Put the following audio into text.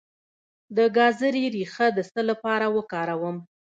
د ګازرې ریښه د څه لپاره وکاروم؟